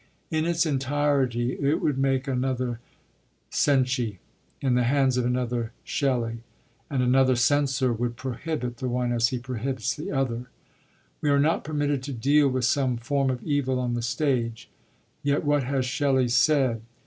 In its entirety it would make another Cenci, in the hands of another Shelley, and another Censor would prohibit the one as he prohibits the other. We are not permitted to deal with some form of evil on the stage. Yet what has Shelley said?